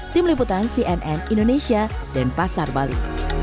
tim liputan cnn indonesia dan pasar bali